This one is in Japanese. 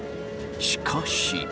しかし！